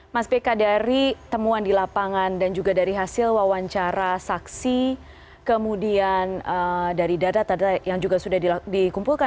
mas beka dari temuan di lapangan dan juga dari hasil wawancara saksi kemudian dari data data yang juga sudah dikumpulkan